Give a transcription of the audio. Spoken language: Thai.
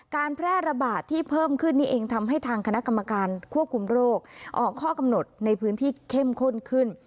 การแพร่ระบาดที่เพิ่มขึ้นนี่เองทำให้ทางคณะกรรมการควบคุมโรคออกข้อกำหนดในพื้นที่เข้มข้นขึ้น